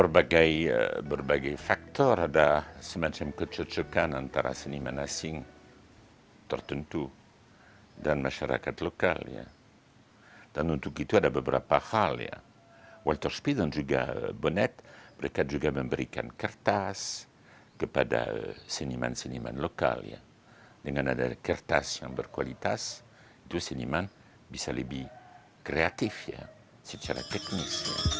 bisa lebih kreatif ya secara teknis